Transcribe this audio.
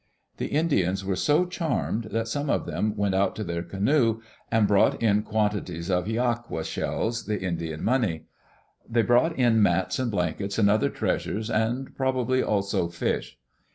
The Indians were so charmed that some of them went out to their canoe and brought in quantities of hiaqua shells, the Indian money; they brought in mats and baskets and other treasures, and probably also fish.